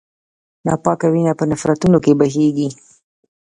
ناپاکه وینه په نفرونونو کې بهېږي.